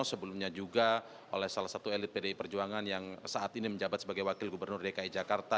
sebelumnya juga oleh salah satu elit pdi perjuangan yang saat ini menjabat sebagai wakil gubernur dki jakarta